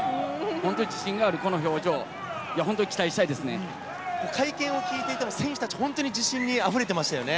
本当に自信があるこの表情、本当に期待したいで会見を聞いていても、選手たち、本当に自信にあふれていましたよね。